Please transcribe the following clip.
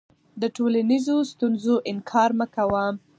د ټولنیزو ستونزو انکار مه کوه.